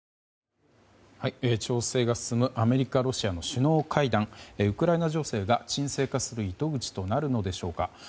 調整が進むアメリカ、ロシアの首脳会談、ウクライナ情勢が沈静化する糸口となるのでしょうか。